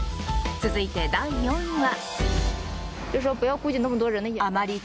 続いて第４位は。